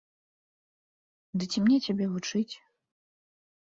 Ды ці мне цябе вучыць?